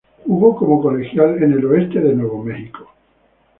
Jugo como colegial en Western New Mexico.